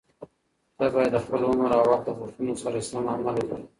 ته باید د خپل عمر او وخت د غوښتنو سره سم عمل وکړې.